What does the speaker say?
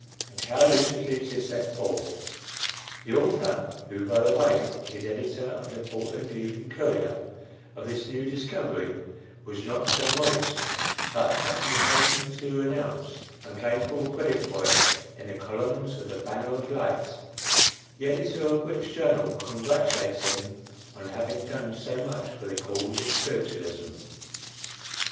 and how lucidly it is set forth! The author (who, by the way, is editor of the "Portland Evening Courier") of this new discovery, was not so modest but that he hastened to announce and claim full credit for it in the columns of the "Banner of Light" the editor of which journal congratulates him on having done so much for the cause of spiritualism!